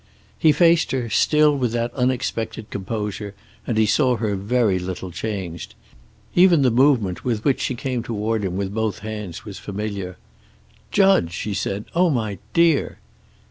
He faced her, still with that unexpected composure, and he saw her very little changed. Even the movement with which she came toward him with both hands out was familiar. "Jud!" she said. "Oh, my dear!"